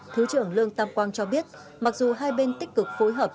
thứ trưởng lương tam quang cho biết mặc dù hai bên tích cực phối hợp